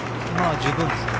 十分ですね。